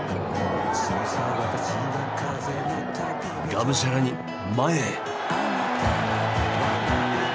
がむしゃらに前へ！